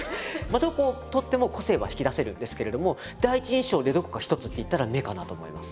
どこを取っても個性は引き出せるんですけれども第一印象でどこか一つっていったら目かなと思います。